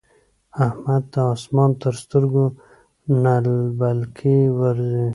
احمد ته اسمان تر سترګو نعلبکی ورځي.